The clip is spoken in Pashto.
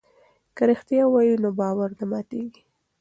که رښتیا ووایو نو باور نه ماتیږي.